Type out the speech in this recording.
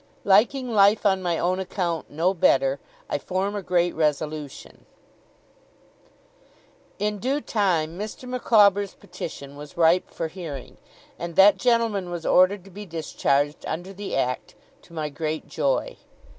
LIKING LIFE ON MY OWN ACCOUNT NO BETTER, I FORM A GREAT RESOLUTION In due time, Mr. Micawber's petition was ripe for hearing; and that gentleman was ordered to be discharged under the Act, to my great joy.